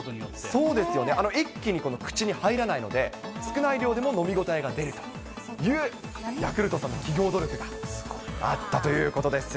そうですよね、一気に口に入らないので、少ない量でも飲み応えが出るというヤクルトさんの企業努力があったということです。